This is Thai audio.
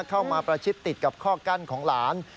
ประชิดติดกับข้อกั้นของหลาน